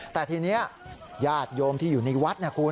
แต่ทีนี้ญาติโยมที่อยู่ในวัดนะคุณ